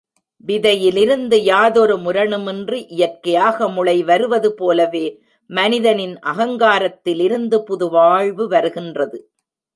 விதையிலிருந்து யாதொரு முரணுமின்றி இயற்கையாக முளை வருவது போலவே மனிதனின் அகங்காரத்திலிருந்து புது வாழ்வு வருகின்றது.